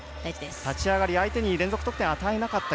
立ち上がり、相手に連続得点を与えなかったり